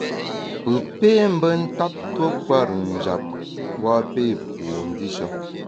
Pù pé mbe ntap tuo kwer-ùn njap, mbu a pé pu ndishe.